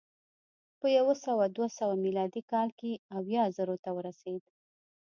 په یو سوه دوه سوه میلادي کال کې اویا زرو ته ورسېد